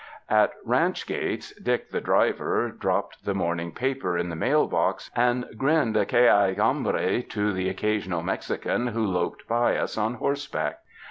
At ranch gates, Dick the driver dropped the morning paper in the mail box and grinned a '^Qiie hay, homhre" to the occasional Mexican who loped by us on horseback.